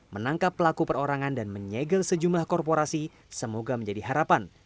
menangkap pelaku perorangan dan menyegel sejumlah korporasi semoga menjadi harapan